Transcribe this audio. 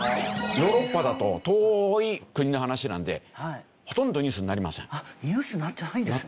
ヨーロッパだと遠い国の話なのでほとんどニュースになりません。